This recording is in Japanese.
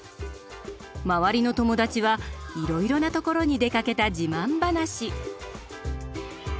周りの友達はいろいろなところに出かけた自慢話。